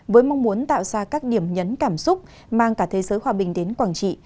với mong muốn tạo ra các điểm nhấn cảm xúc mang cả thế giới hòa bình đến quảng trị